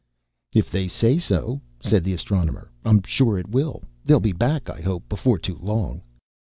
"If they say so," said the Astronomer, "I'm sure it will. They'll be back, I hope, before too long."